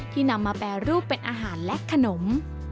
นำมาแปรรูปเป็นอาหารและขนม